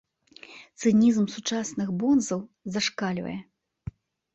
Цынізм сучасных бонзаў зашкальвае.